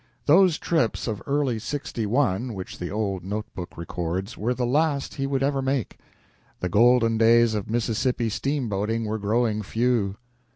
Those trips of early '61, which the old note book records, were the last he would ever make. The golden days of Mississippi steam boating were growing few.